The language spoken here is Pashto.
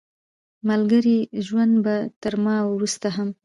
مګر ژوند به تر ما وروسته هم